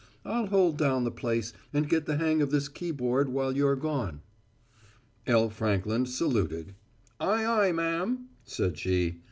I'll hold down the place, and get the hang of this keyboard while you're gone." L. Frankland saluted. "Aye, aye, ma'am," said she.